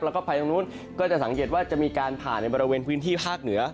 แล้วก็ไปตรงนู้นก็จะสังเกตว่าจะมีการผ่านในบริเวณพื้นที่ภาคเหนือ